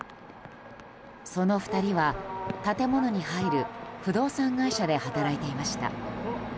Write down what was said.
その２人は建物に入る不動産会社で働いていました。